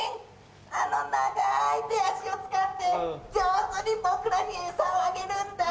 あの長い手足を使って上手に僕らに餌をあげるんだ！